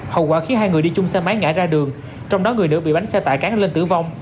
hậu quả khiến hai người đi chung xe máy ngã ra đường trong đó người nữ bị bánh xe tải cán lên tử vong